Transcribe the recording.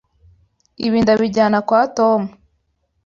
Ibi ndabijyana kwa Tom.